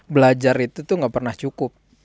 belajar itu tuh gak pernah cukup